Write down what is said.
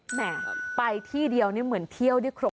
แหมไปที่เดียวนี่เหมือนเที่ยวได้ครบ